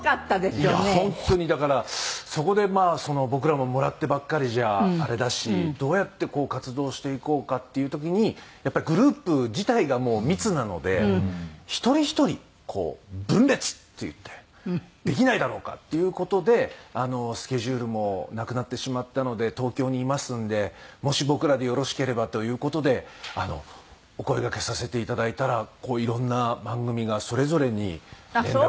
いやあ本当にだからそこでまあ僕らももらってばっかりじゃあれだしどうやってこう活動していこうかっていう時にやっぱりグループ自体がもう密なので一人ひとりこう分裂っていってできないだろうかっていう事でスケジュールもなくなってしまったので東京にいますんでもし僕らでよろしければという事でお声掛けさせていただいたらこういろんな番組がそれぞれに連絡していただいて。